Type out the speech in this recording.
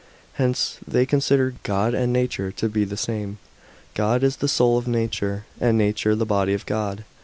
Hence they considered God and nature to be the same. God is the soul of nature, and nature the body of God.